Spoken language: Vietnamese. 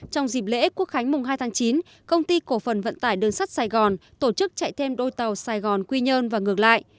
trong dịp lễ quốc khánh mùng hai tháng chín công ty cổ phần vận tải đường sắt sài gòn tổ chức chạy thêm đôi tàu sài gòn quy nhơn và ngược lại